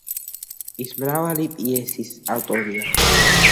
ის მრავალი პიესის ავტორია.